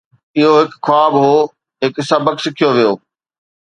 اهو هڪ خواب هو، هڪ سبق سکيو ويو